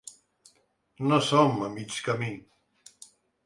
No som a mig camí.